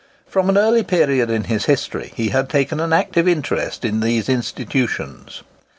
From an early period in his history, he had taken an active interest in these institutions.